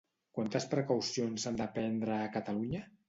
Quantes precaucions s'han de prendre a Catalunya?